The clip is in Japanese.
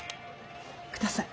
ください。